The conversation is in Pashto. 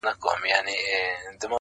اچيل یې ژاړي، مړ یې پېزوان دی